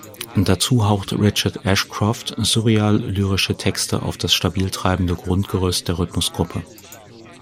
Dazu haucht Richard Ashcroft surreal-lyrische Texte auf das stabil treibende Grundgerüst der Rhythmusgruppe.